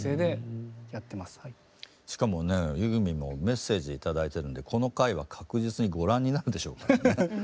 しかもねユーミンもメッセージ頂いてるんでこの回は確実にご覧になるでしょうからね。